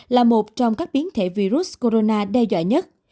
là một trong các biến thể virus corona đe dọa nhất